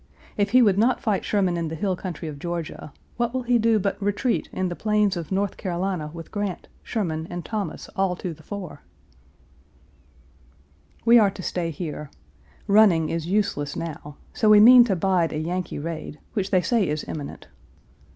If he would not fight Sherman in the hill country of Georgia, what will he do but retreat in the plains of North Carolina with Grant, Sherman, and Thomas all to the fore? We are to stay here. Running is useless now; so we mean to bide a Yankee raid, which they say is imminent.